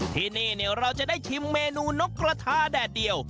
ที่นี่เราจะได้ชิมเมนูนกกระทาแดดเดียว